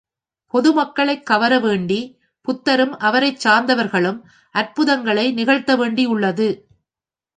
பொதுமக்களைக் கவரவேண்டி, புத்தரும் அவரைச் சார்ந்தவர்களும் அற்புதங்களை நிகழ்த்தவேண்டியுள்ளது.